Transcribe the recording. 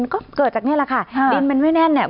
ก็เกิดจากนี่แหละค่ะดินมันไม่แน่นเนี่ย